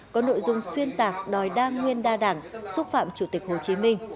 có nội dung xuyên tạc đòi đa nguyên đa đảng xúc phạm chủ tịch hồ chí minh